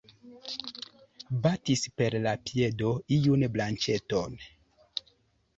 Batis per la piedo iun branĉeton.